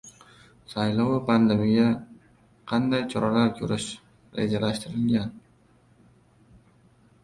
Saylov va pandemiya: qanday choralar ko‘rish rejalashtirilgan